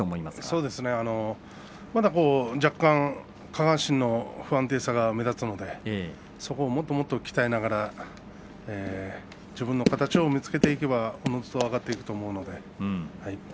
まだ若干、下半身の不安定さが目立つのでそこをもっともっと鍛えながら自分の形を見つけていけば上がっていくと思うので。